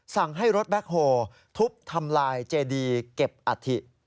สั่งให้รถแบ็คโฮทุบทำลายเจดีเก็บอัฐิ